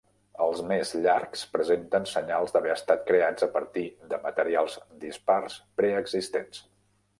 Els més llargs presenten senyals d'haver estat creats a partir de materials dispars preexistents.